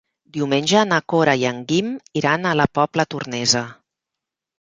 Diumenge na Cora i en Guim iran a la Pobla Tornesa.